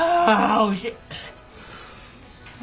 おいしい！